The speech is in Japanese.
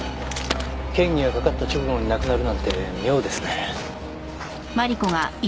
嫌疑がかかった直後に亡くなるなんて妙ですね。